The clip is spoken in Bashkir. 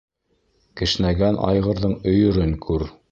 Кешнәгән айғырҙың өйөрөн күр